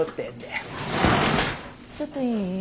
ちょっといい？